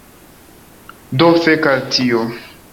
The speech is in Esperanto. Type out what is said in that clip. Do fek al tio